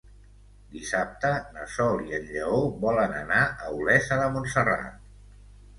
Dissabte na Sol i en Lleó volen anar a Olesa de Montserrat.